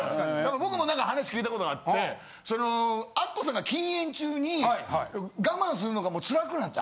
僕もなんか話聞いたことがあってアッコさんが禁煙中に我慢するのがもうつらくなって。